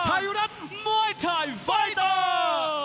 ไทยรัฐมวยไทยไฟเตอร์